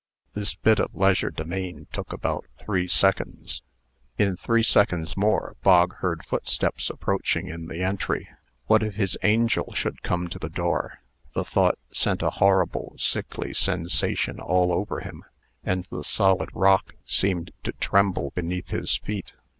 This bit of legerdemain took about three seconds. In three seconds more, Bog heard footsteps approaching in the entry. What if his angel should come to the door? The thought sent a horrible, sickly sensation all over him, and the solid rock seemed to tremble beneath his feet.